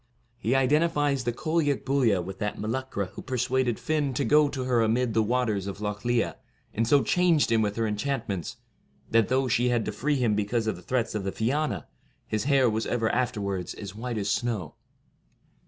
He identifies the Cailleac Buillia with that Meluchra who persuaded Fionn to go to her amid the waters of Lough Liath, and so changed him with her enchant ments, that, though she had to free him because of the threats of the Fiana, his hair was ever afterwards as white as snow.